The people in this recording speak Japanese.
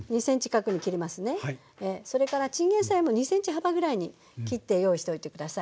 それからチンゲンサイも２ｃｍ幅ぐらいに切って用意しておいて下さい。